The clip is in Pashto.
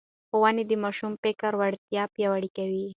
ښوونې د ماشوم فکري وړتیا پياوړې کوي.